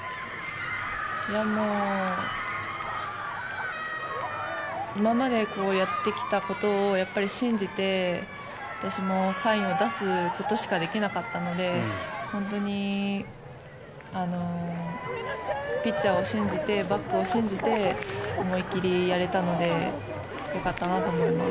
いやもう今までやってきたことを信じて私もサインを出すことしかできなかったので本当にピッチャーを信じてバックを信じて思い切りやれたのでよかったなと思います。